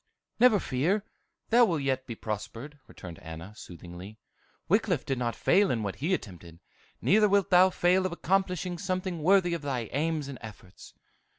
"Never fear, thou wilt yet be prospered," returned Anna, soothingly. "Wickliffe did not fail in what he attempted, neither wilt thou fail of accomplishing something worthy of thy aims and efforts."